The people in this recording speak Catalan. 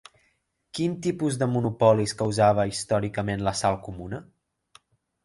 Quin tipus de monopolis causava històricament la sal comuna?